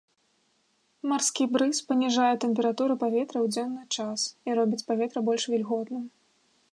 Марскі брыз паніжае тэмпературу паветра ў дзённы час і робіць паветра больш вільготным.